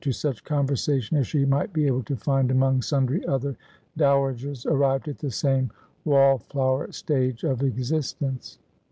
219 to such conversation as she might be able to find among sundry other dowagers arrived at the same wall flower stage of exist ence.